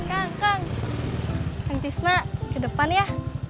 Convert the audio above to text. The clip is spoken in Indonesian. kang kang tisna ke depan ya